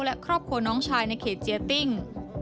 และครอบครัวน้องชายในเขตเจติ้ง